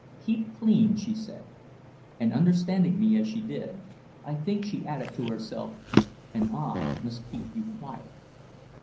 "Keep clean," she said. And understanding me as she did, I think she added to herself, "And I must keep you quiet."